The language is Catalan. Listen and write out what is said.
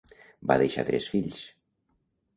Va deixar tres fills.